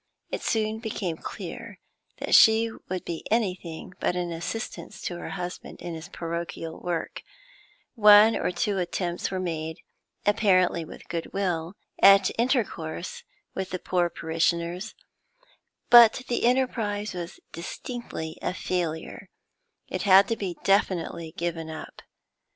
It soon became clear that she would be anything but an assistance to her husband in his parochial work; one or two attempts were made, apparently with good will, at intercourse with the poor parishioners, but the enterprise was distinctly a failure; it had to be definitively given up.